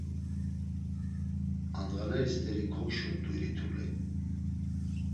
Andğaneri st̆eri konşurt̆u irituli.